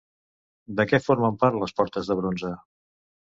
De què formen part les portes de bronze?